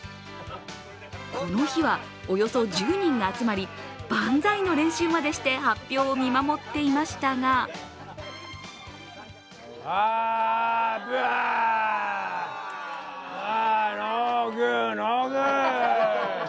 この日はおよそ１０人が集まり万歳の練習までして発表を見守っていましたがノー・グーッド、ノー・グーッド。